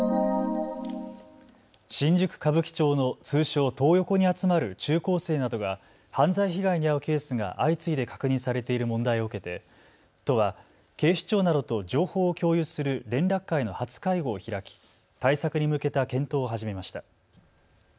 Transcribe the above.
新宿歌舞伎町の通称トー横に集まる中高生などが犯罪被害に遭うケースが相次いで確認されている問題を受けて都は警視庁などと情報を共有する連絡会の初会合を開き対策に向けた検討を始めました。